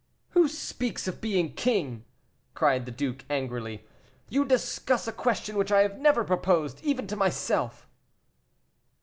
"Who speaks of being king?" cried the duke, angrily; "you discuss a question which I have never proposed, even to myself."